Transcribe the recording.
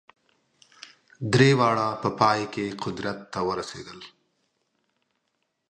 درې واړه په پای کې قدرت ته ورسېدل.